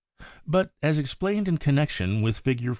But, as explained in connection with Fig.